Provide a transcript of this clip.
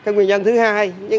nguyên nhân thứ hai